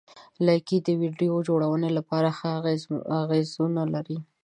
لایکي د ویډیو جوړونې لپاره ښه اغېزونه لري.